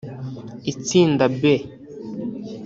Itsinda B